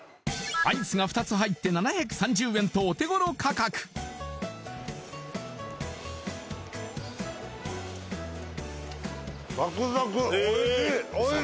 アイスが２つ入って７３０円とお手頃価格おいしい